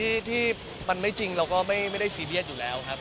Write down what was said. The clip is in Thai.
ที่มันไม่จริงเราก็ไม่ได้ซีเรียสอยู่แล้วครับ